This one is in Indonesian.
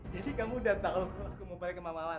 jadi kamu udah tahu aku mau balik sama mawar